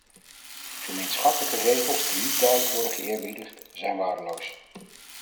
Gemeenschappelijke regels die niet duidelijk worden geëerbiedigd, zijn waardeloos.